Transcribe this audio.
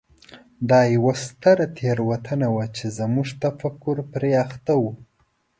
دا یوه ستره تېروتنه وه چې زموږ تفکر پرې اخته و.